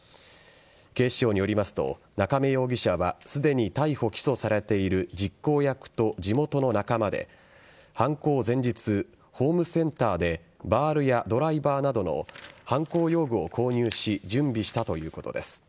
警視庁によりますと中明容疑者はすでに逮捕起訴されている実行役と地元の仲間で犯行前日、ホームセンターでバールやドライバーなどの犯行用具を購入し準備したということです。